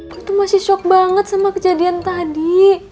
aku tuh masih shock banget sama kejadian tadi